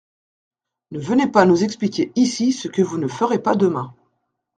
Ne venez pas nous expliquer ici ce que vous ne ferez pas demain.